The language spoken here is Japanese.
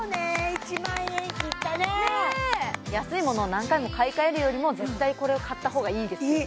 １万円切ったねねぇ安いものを何回も買い替えるよりも絶対これを買ったほうがいいですよね